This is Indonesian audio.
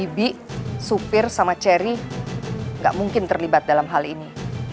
bibi sofir sama cherry gak mungkin terlibat dalam hal ini